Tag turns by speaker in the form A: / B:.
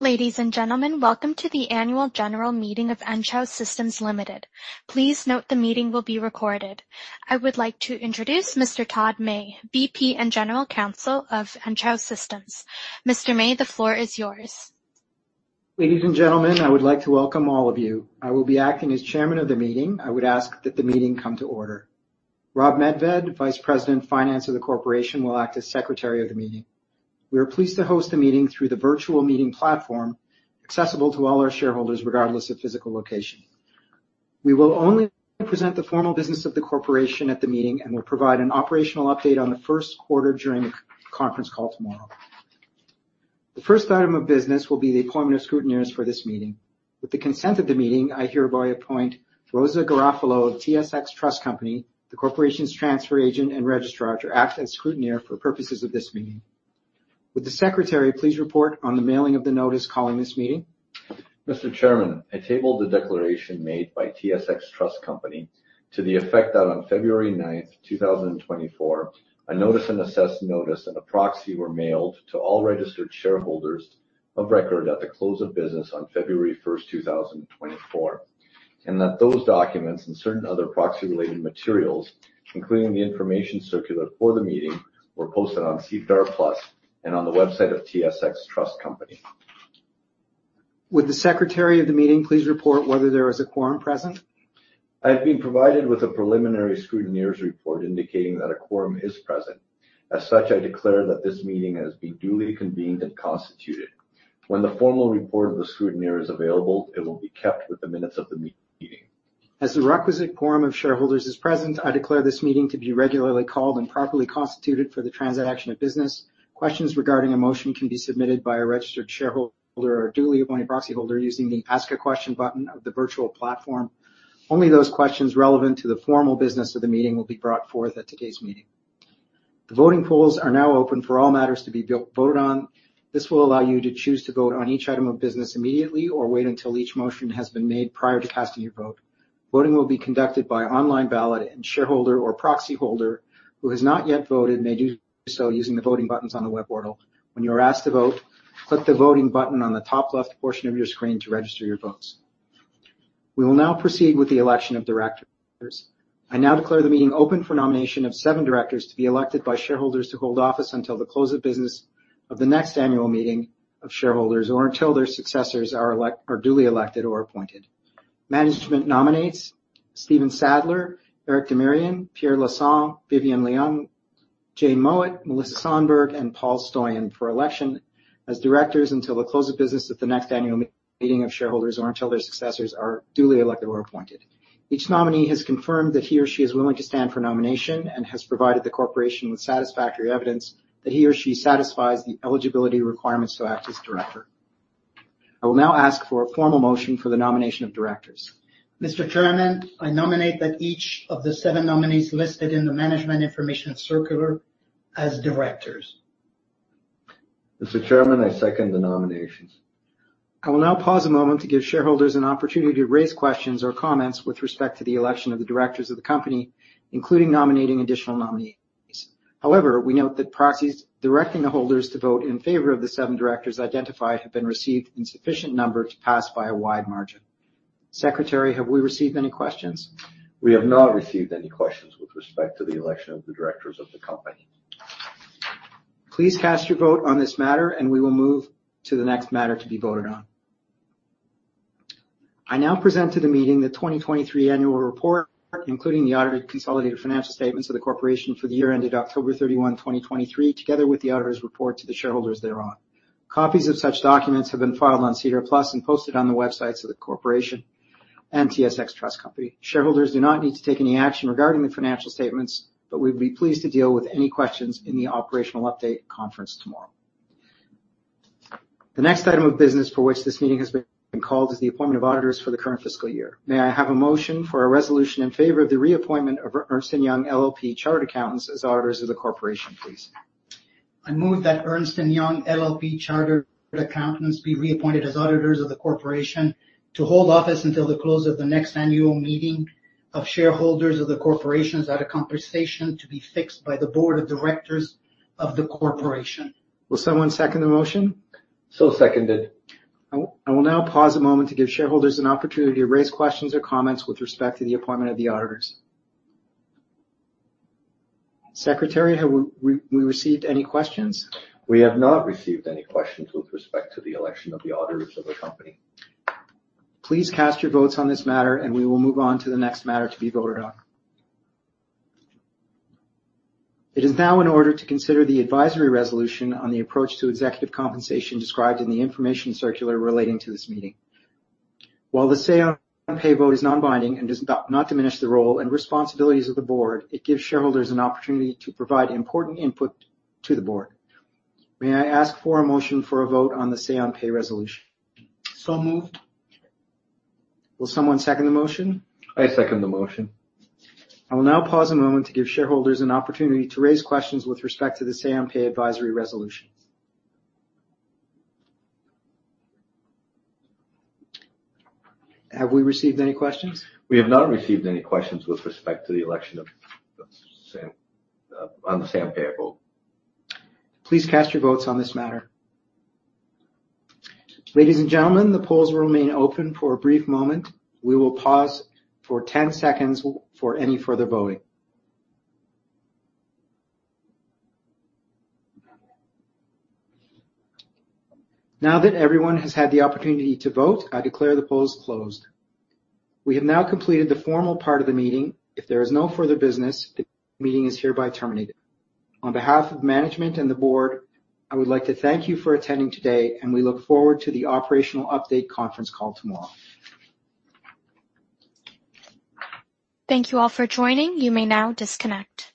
A: Ladies and gentlemen, welcome to the annual general meeting of Enghouse Systems Limited. Please note the meeting will be recorded. I would like to introduce Mr. Todd May, VP and General Counsel of Enghouse Systems. Mr. May, the floor is yours.
B: Ladies and gentlemen, I would like to welcome all of you. I will be acting as Chairman of the meeting. I would ask that the meeting come to order. Rob Medved, Vice President, Finance of the corporation, will act as Secretary of the meeting. We are pleased to host the meeting through the virtual meeting platform, accessible to all our shareholders, regardless of physical location. We will only present the formal business of the corporation at the meeting and will provide an operational update on the Q1 during the conference call tomorrow. The first item of business will be the appointment of scrutineers for this meeting. With the consent of the meeting, I hereby appoint Rosa Garofalo of TSX Trust Company, the corporation's transfer agent and registrar, to act as scrutineer for purposes of this meeting. Would the secretary please report on the mailing of the notice calling this meeting?
C: Mr. Chairman, I tabled the declaration made by TSX Trust Company to the effect that on 9 February 2024, a notice and access notice and a proxy were mailed to all registered shareholders of record at the close of business on 1 February 2024, and that those documents and certain other proxy-related materials, including the information circular for the meeting, were posted on SEDAR+ and on the website of TSX Trust Company.
B: Would the Secretary of the meeting please report whether there is a quorum present?
C: I've been provided with a preliminary scrutineer's report indicating that a quorum is present. As such, I declare that this meeting has been duly convened and constituted. When the formal report of the scrutineer is available, it will be kept with the minutes of the meeting.
B: As the requisite quorum of shareholders is present, I declare this meeting to be regularly called and properly constituted for the transaction of business. Questions regarding a motion can be submitted by a registered shareholder or duly appointed proxyholder using the Ask a Question button of the virtual platform. Only those questions relevant to the formal business of the meeting will be brought forth at today's meeting. The voting polls are now open for all matters to be put, voted on. This will allow you to choose to vote on each item of business immediately or wait until each motion has been made prior to casting your vote. Voting will be conducted by online ballot, and shareholder or proxyholder who has not yet voted may do so using the voting buttons on the web portal. When you are asked to vote, click the voting button on the top left portion of your screen to register your votes. We will now proceed with the election of directors. I now declare the meeting open for nomination of seven directors to be elected by shareholders to hold office until the close of business of the next annual meeting of shareholders or until their successors are duly elected or appointed. Management nominates Stephen Sadler, Eric Demirian, Pierre Lassonde, Vivian Leung, Jane Mowat, Melissa Sonberg, and Paul Stoyan for election as directors until the close of business at the next annual meeting of shareholders or until their successors are duly elected or appointed. Each nominee has confirmed that he or she is willing to stand for nomination and has provided the corporation with satisfactory evidence that he or she satisfies the eligibility requirements to act as director. I will now ask for a formal motion for the nomination of directors.
D: Mr. Chairman, I nominate that each of the seven nominees listed in the management information circular as directors.
C: Mr. Chairman, I second the nominations.
B: I will now pause a moment to give shareholders an opportunity to raise questions or comments with respect to the election of the directors of the company, including nominating additional nominees. However, we note that proxies directing the holders to vote in favor of the seven directors identified have been received in sufficient number to pass by a wide margin. Secretary, have we received any questions?
C: We have not received any questions with respect to the election of the directors of the company.
B: Please cast your vote on this matter, and we will move to the next matter to be voted on. I now present to the meeting the 2023 annual report, including the audited consolidated financial statements of the corporation for the year ended 31 October 2023, together with the auditor's report to the shareholders thereon. Copies of such documents have been filed on SEDAR+ and posted on the websites of the corporation and TSX Trust Company. Shareholders do not need to take any action regarding the financial statements, but we'd be pleased to deal with any questions in the operational update conference tomorrow. The next item of business for which this meeting has been called is the appointment of auditors for the current fiscal year. May I have a motion for a resolution in favor of the reappointment of Ernst & Young LLP chartered accountants as auditors of the corporation, please?
D: I move that Ernst & Young LLP chartered accountants, be reappointed as auditors of the corporation to hold office until the close of the next annual meeting of shareholders of the corporation at a remuneration to be fixed by the board of directors of the corporation.
B: Will someone second the motion?
C: So seconded.
B: I will now pause a moment to give shareholders an opportunity to raise questions or comments with respect to the appointment of the auditors. Secretary, have we received any questions?
C: We have not received any questions with respect to the election of the auditors of the company.
B: Please cast your votes on this matter, and we will move on to the next matter to be voted on. It is now in order to consider the advisory resolution on the approach to executive compensation described in the information circular relating to this meeting. While the Say on Pay vote is non-binding and does not diminish the role and responsibilities of the board, it gives shareholders an opportunity to provide important input to the board. May I ask for a motion for a vote on the Say on Pay resolution?
D: So moved.
B: Will someone second the motion?
C: I second the motion.
B: I will now pause a moment to give shareholders an opportunity to raise questions with respect to the Say on Pay advisory resolution. Have we received any questions?
C: We have not received any questions with respect to the election, say, on the Say on Pay vote.
B: Please cast your votes on this matter. Ladies and gentlemen, the polls will remain open for a brief moment. We will pause for 10 seconds for any further voting. Now that everyone has had the opportunity to vote, I declare the polls closed. We have now completed the formal part of the meeting. If there is no further business, the meeting is hereby terminated. On behalf of management and the board, I would like to thank you for attending today, and we look forward to the operational update conference call tomorrow.
A: Thank you all for joining. You may now disconnect.